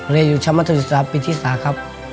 เลี้ยงอยู่ชาวมัทยุศาสตร์ปิทธิศาคับ